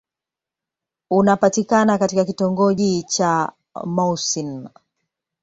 Unapatikana katika kitongoji cha Mouassine.